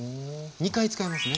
２回使いますね